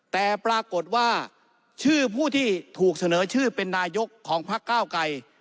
แต่ปรากฏว่าชื่อผู้ที่ถูกเสนอชื่อเป็นนายกของพักเก้าไกร